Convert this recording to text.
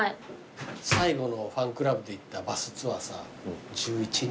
最後のファンクラブで行ったバスツアーさ１１人。